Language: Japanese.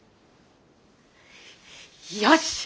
よし！